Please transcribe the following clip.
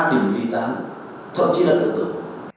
thậm chí là tự tượng